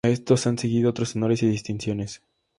A estos han seguido otros honores y distinciones.